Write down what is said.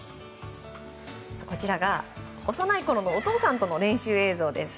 こちらは、幼いころのお父さんとの練習映像です。